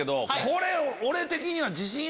「これ俺的には」。